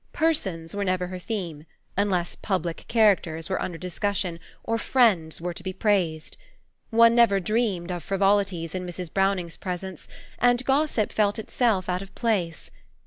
Persons were never her theme, unless public characters were under discussion, or friends were to be praised. One never dreamed of frivolities in Mrs. Browning's presence, and gossip felt itself out of place.